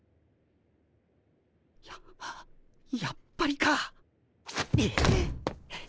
ややっぱりか！